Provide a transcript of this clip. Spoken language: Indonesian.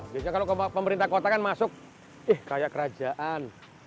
biasanya kalau pemerintah kota kan masuk ih kayak kerajaan